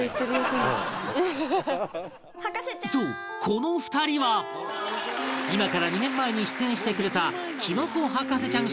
そうこの２人は今から２年前に出演してくれたきのこ博士ちゃん